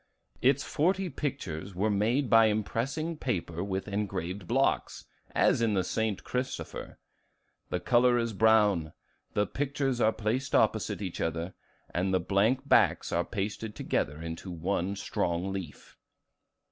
"Its forty pictures were made by impressing paper with engraved blocks, as in the 'St. Christopher.' The color is brown, the pictures are placed opposite each other, and the blank backs are pasted together into one strong leaf."